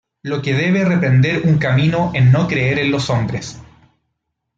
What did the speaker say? Lo que debe reprender un camino en no creer en los hombres.